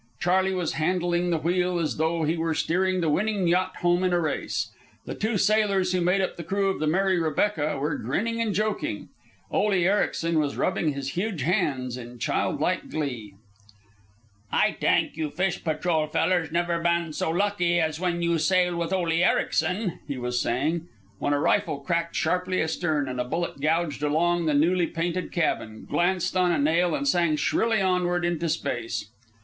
Charley was handling the wheel as though he were steering the winning yacht home in a race. The two sailors who made up the crew of the Mary Rebecca, were grinning and joking. Ole Ericsen was rubbing his huge hands in child like glee. [Illustration: "The consternation we spread among the fishermen was tremendous."] "Ay tank you fish patrol fallers never ban so lucky as when you sail with Ole Ericsen," he was saying, when a rifle cracked sharply astern, and a bullet gouged along the newly painted cabin, glanced on a nail, and sang shrilly onward into space.